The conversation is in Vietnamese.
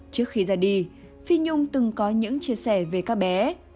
trước khi ra đi phi nhung từng có những chia sẻ về các bé